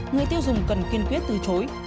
người tiêu dùng cần kiên quyết từ chối